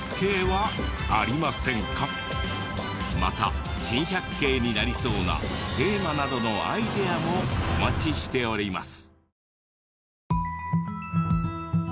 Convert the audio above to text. また珍百景になりそうなテーマなどのアイデアもお待ちしております。